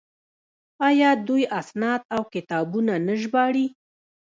آیا دوی اسناد او کتابونه نه ژباړي؟